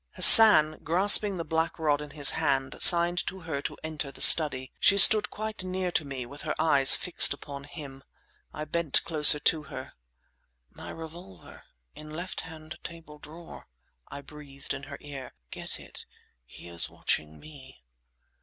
Hassan, grasping the black rod in his hand, signed to her to enter the study. She stood quite near to me, with her eyes fixed upon him. I bent closer to her. "My revolver—in left hand table drawer," I breathed in her ear. "Get it. He is watching me!"